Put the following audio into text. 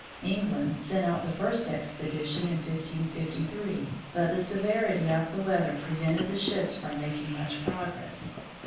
England sent out the first expedition in 1553, but the se verity of the weather prevented the ships from making much progress.